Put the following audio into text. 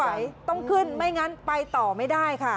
ไหวต้องขึ้นไม่งั้นไปต่อไม่ได้ค่ะ